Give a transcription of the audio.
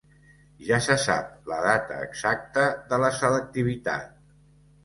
Ja se sap la data exacta de la selectivitat